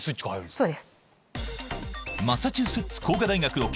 そうです。